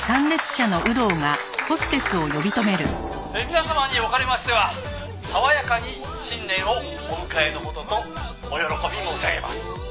「皆様におかれましては爽やかに新年をお迎えの事とお喜び申し上げます」